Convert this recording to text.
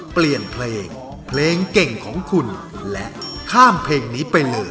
เปลี่ยนเพลงเพลงเก่งของคุณและข้ามเพลงนี้ไปเลย